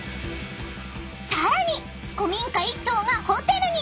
［さらに古民家１棟がホテルに］